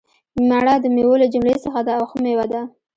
مڼه دمیوو له جملي څخه ده او ښه میوه ده